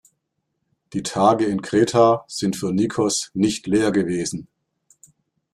Die Tage in Kreta sind für Nikos nicht leer gewesen.